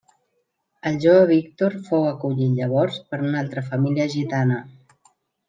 El jove Víctor fou acollit llavors per una altra família gitana.